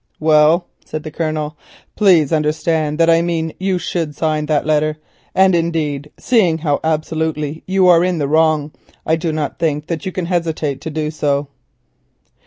"Well," said the Colonel, "please understand I mean that you should sign this letter, and, indeed, seeing how absolutely you are in the wrong, I do not think that you can hesitate to do so."